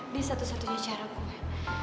ini satu satunya cara gue